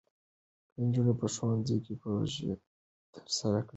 که نجونې په ښوونځي کې پروژې ترسره کړي، باور او همکارۍ اړیکې ټینګېږي.